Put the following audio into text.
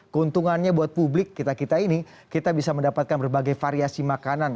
keuntungannya buat publik kita kita ini kita bisa mendapatkan berbagai variasi makanan